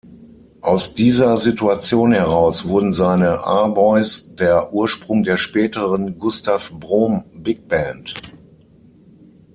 Aus dieser Situation heraus wurden seine R-Boys der Ursprung der späteren Gustav-Brom-Bigband.